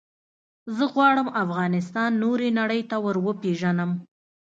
زه غواړم افغانستان نورې نړی ته وروپېژنم.